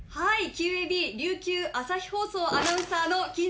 ＱＡＢ琉球朝日放送アナウンサーの金城美優です。